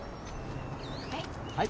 はい。